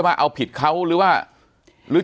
ปากกับภาคภูมิ